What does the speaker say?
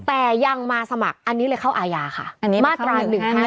แต่ยังมาสมัครอันนี้เลยเข้าอาญาค่ะอันนี้มาตรา๑๕๗